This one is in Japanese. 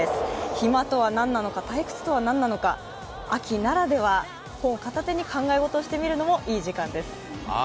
暇とは何なのか退屈とは何なのか秋ならでは本を片手に考え事をしてみるのもいい時間です